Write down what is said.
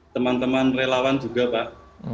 teman teman relawan juga pak